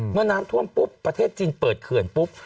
เมื่อน้ำท่วมปุ๊บประเทศจีนเปิดเขื่อนปุ๊บ